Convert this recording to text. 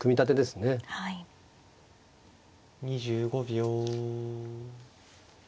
２５秒。